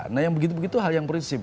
nah yang begitu begitu hal yang prinsip